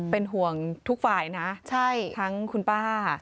เป็นห่วงทุกฝ่ายนะทั้งคุณป้า